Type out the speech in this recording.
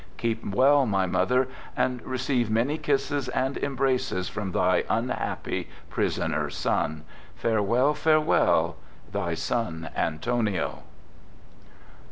Keep well, my mother, and receive many kisses and embraces from thy unhappy prisoner son. Farewell, farewell — Thy son Antonio.